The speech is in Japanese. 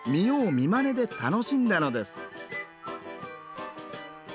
見まねで楽しんだのです。